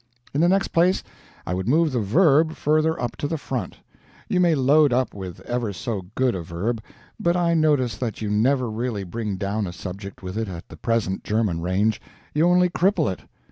In the next place, I would move the Verb further up to the front. You may load up with ever so good a Verb, but I notice that you never really bring down a subject with it at the present German range you only cripple it.